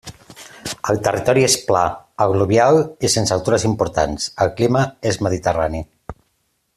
El territori és pla, al·luvial i sense altures importants; el clima és mediterrani.